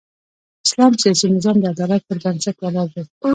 اسلام سیاسي نظام د عدالت پر بنسټ ولاړ دی.